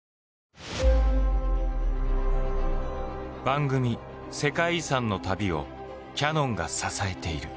番組「世界遺産」の旅をキヤノンが支えている。